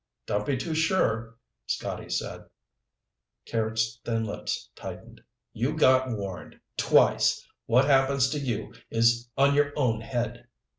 "Don't be too sure," Scotty said. Carrots' thin lips tightened. "You got warned. Twice. What happens to you is on your own head."